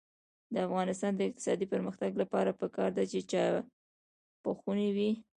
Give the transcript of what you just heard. د افغانستان د اقتصادي پرمختګ لپاره پکار ده چې چاپخونې وي.